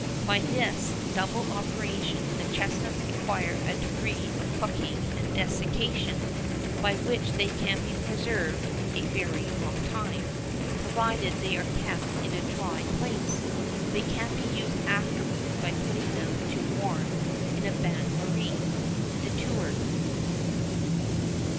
By this double operation the chesnuts acquire a degree of cooking and desiccation, by which they can be preserved a very long time, provided they are kept in a dry place. They can be used afterwards by putting them to warm in a bain marie." DUTOUR.